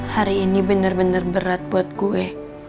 hari ini bener bener berat buat gue